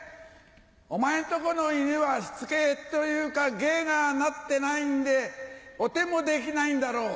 お前んとこの犬はしつけというか芸がなってないんでお手もできないんだろう。